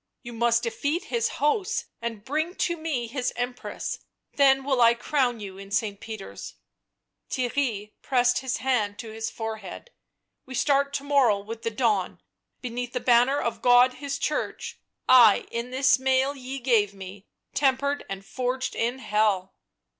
You must defeat his hosts and bring to me his Empress, then will I crown you in St. Peter's." Theirry pressed his hand to his forehead. "We start to morrow with the dawn — beneath the banner of God His Church; I, in this mail ye gave me, tem pered and forged in Hell